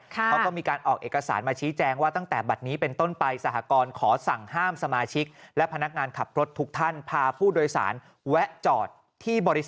เขาก็มีการออกเอกสารมาชี้แจงว่าตั้งแต่บัตรนี้เป็นต้นไป